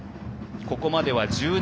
ここまでは１７位。